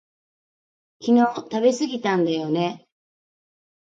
昨日食べすぎたんだよね